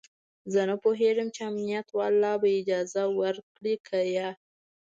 زه نه پوهېدم چې امنيت والا به اجازه ورکړي که يه.